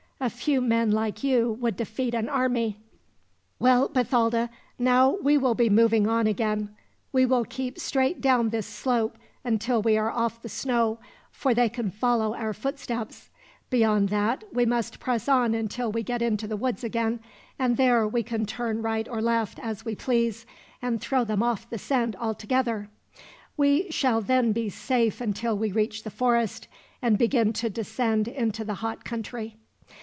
A few men like you would defeat an army." "Well, Bathalda, now we will be moving on again. We will keep straight down this slope, until we are off the snow; for they can follow our footsteps. Beyond that we must press on until we get into the woods again, and there we can turn right or left, as we please, and throw them off the scent altogether. We shall then be safe until we leave the forest, and begin to descend into the hot country."